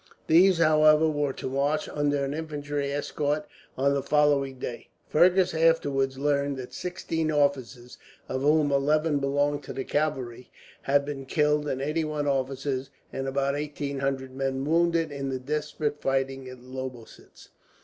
These, however, were to march under an infantry escort on the following day. Fergus afterwards learned that sixteen officers, of whom eleven belonged to the cavalry, had been killed; and eighty one officers and about eighteen hundred men wounded in the desperate fighting at Lobositz.